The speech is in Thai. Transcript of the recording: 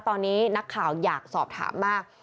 ตอนนี้นักข่าวอยากสอบถามมาก